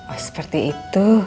oh seperti itu